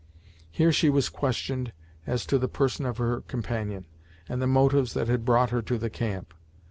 Here she was questioned as to the person of her companion, and the motives that had brought her to the camp.